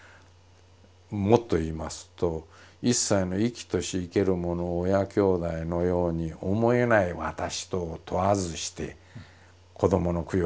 もっと言いますと一切の生きとし生けるものを親兄弟のように思えない私とを問わずして子どもの供養ができるかと。